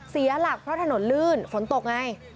เสียหลักเพราะถนนลื่นฝนตกไง